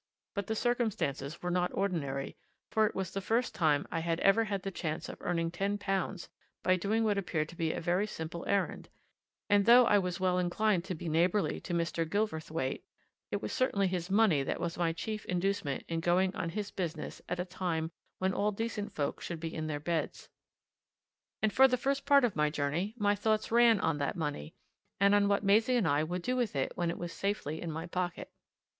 But the circumstances were not ordinary, for it was the first time I had ever had the chance of earning ten pounds by doing what appeared to be a very simple errand; and though I was well enough inclined to be neighbourly to Mr. Gilverthwaite, it was certainly his money that was my chief inducement in going on his business at a time when all decent folk should be in their beds. And for this first part of my journey my thoughts ran on that money, and on what Maisie and I would do with it when it was safely in my pocket.